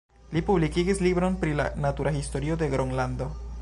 Li publikigis libron pri la natura historio de Gronlando.